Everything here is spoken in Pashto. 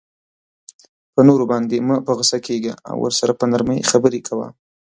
په نورو باندی مه په غصه کیږه او ورسره په نرمۍ خبری کوه